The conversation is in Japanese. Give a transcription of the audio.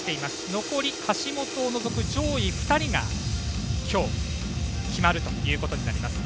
残り橋本を除く上位２人が今日、決まるということになります。